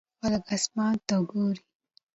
خلک اسمان ته ګوري.